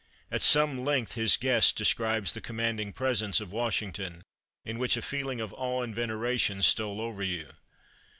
At some length his guest describes the commanding presence of Washington, in which "a feeling of awe and veneration stole over you."